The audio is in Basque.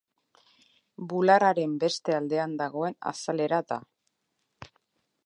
Bularraren beste aldean dagoen azalera da.